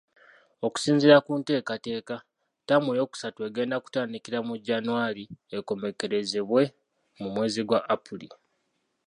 Okusinziira ku nteekateeka, ttaamu eyookusatu egenda kutandika mu Janwali ekomekerezebwa mu mwezi gwa Apuli.